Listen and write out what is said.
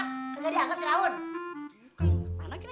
saat ini gusto buat dia